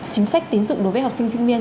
chính sách tín dụng đối với học sinh sinh viên